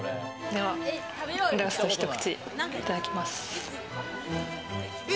ではラスト一口、いただきます。